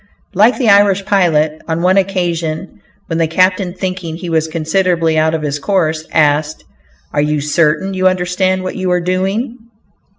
Like the Irish pilot, on one occasion when the captain, thinking he was considerably out of his course, asked, "Are you certain you understand what you are doing?"